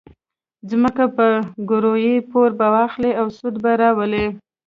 ځمکه به ګروي، پور به اخلي، په سود به پیسې راولي.